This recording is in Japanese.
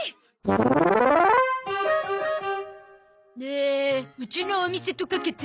えーうちのお店とかけて。